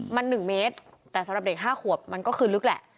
มัน๑เมตรแต่สำหรับเด็ก๕ขวบมันก็คือลึกแหละ